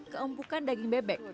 keumpukan daging bebek